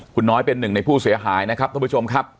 คุณน้อยเป็นหนึ่งในผู้เสียหายนะครับ